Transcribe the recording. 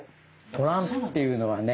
トランプっていうのはね